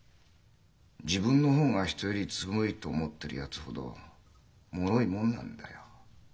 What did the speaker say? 自分の方が人より強いと思ってるやつほどもろいもんなんだよ。